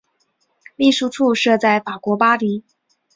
秘书处设在法国巴黎。